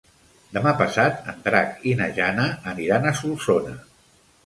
Demà passat en Drac i na Jana aniran a Solsona.